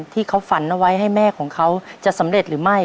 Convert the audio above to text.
ที่เขาฝันเอาไว้ให้แม่ของเขาจะสำเร็จหรือไม่